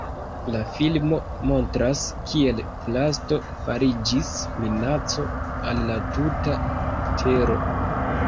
La filmo montras, kiel plasto fariĝis minaco al la tuta tero.